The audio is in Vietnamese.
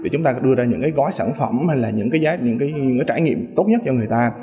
chúng ta đưa ra những cái gói sản phẩm hay là những cái trải nghiệm tốt nhất cho người ta